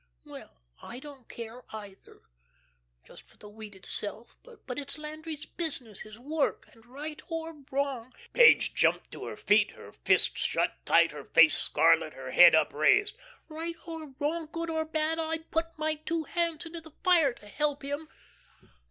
Well, I don't care either, just for the wheat itself, but it's Landry's business, his work; and right or wrong " Page jumped to her feet, her fists tight shut, her face scarlet, her head upraised, "right or wrong, good or bad, I'd put my two hands into the fire to help him."